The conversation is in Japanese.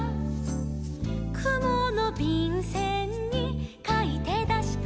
「くものびんせんにかいてだした」